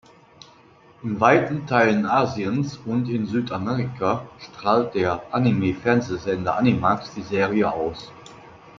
In weiten Teilen Asiens und in Südamerika strahlte der Anime-Fernsehsender Animax die Serie aus.